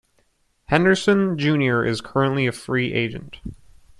Henderson, Junior is currently a free agent.